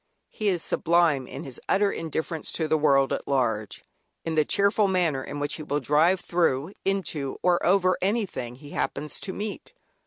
He is sublime in his utter indifference to the world at large, in the cheerful manner in which he will drive, through, into, or over anything he happens to meet.